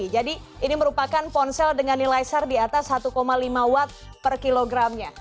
jadi ini merupakan ponsel dengan nilai sar di atas satu lima watt per kilogramnya